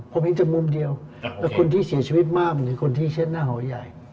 ผมเห็นแต่มุมเดียวแล้วคนที่เสียชีวิตมากหรือคนที่เช็ดหน้าหอใหญ่